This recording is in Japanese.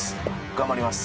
頑張ります。